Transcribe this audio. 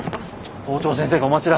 校長先生がお待ちだ。